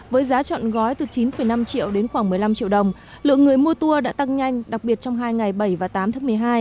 với giá trọn gói từ chín năm triệu đến khoảng một mươi năm triệu đồng lượng người mua tour đã tăng nhanh đặc biệt trong hai ngày bảy và tám tháng một mươi hai